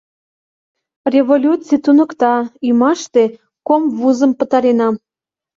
— Революций туныкта... ӱмаште комвузым пытаренам.